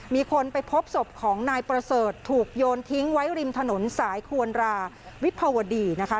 มีคนไปพบศพของนายประเสริฐถูกโยนทิ้งไว้ริมถนนสายควรราวิภาวดีนะคะ